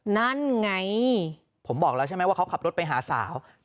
นั่นไงผมบอกแล้วใช่ไหมว่าเขาขับรถไปหาสาว